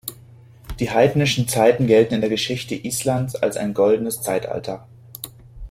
Die heidnischen Zeiten gelten in der Geschichte Islands als ein goldenes Zeitalter.